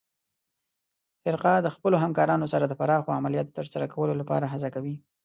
فرقه د خپلو همکارانو سره د پراخو عملیاتو ترسره کولو لپاره هڅه کوي.